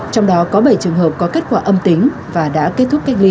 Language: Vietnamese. trong đó có bảy trường hợp có kết quả âm tính và đã kết thúc cách ly